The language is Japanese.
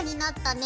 ね！